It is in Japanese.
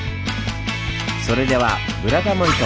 それでは「ブラタモリ」と。